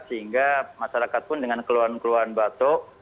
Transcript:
sehingga masyarakat pun dengan keluhan keluhan batuk